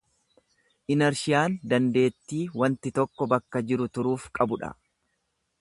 Inershiyaan dandeettii wanti tokko bakka jiru turuuf qabu dha.